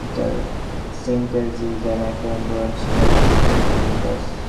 Syntus is an acronym for Synergy between Train and Bus.